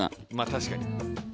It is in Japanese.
確かに。